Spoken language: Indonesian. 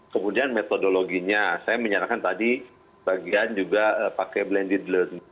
kemudian metodologinya saya menyarankan tadi bagian juga pakai blended learned